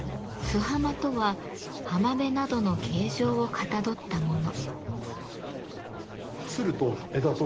「洲浜」とは浜辺などの形状をかたどったもの。